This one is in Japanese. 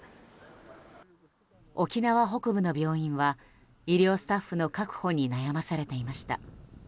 沖縄北部の病院は医療スタッフの確保に悩まされていました。